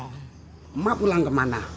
emak pulang kemana